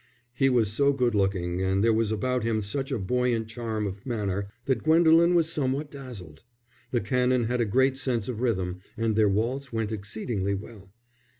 He was so good looking, and there was about him such a buoyant charm of manner that Gwendolen was somewhat dazzled. The Canon had a great sense of rhythm, and their waltz went exceedingly well.